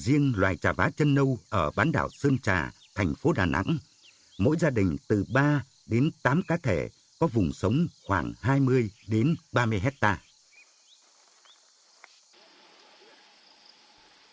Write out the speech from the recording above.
riêng loài trà vá chân nâu ở bán đảo sơn trà thành phố đà nẵng mỗi gia đình từ ba đến tám cá thể có vùng sống khoảng hai mươi đến ba mươi hectare